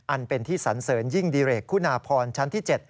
อันเป็นที่สันเสริญยิ่งดิเรกคุณาพรชั้นที่๗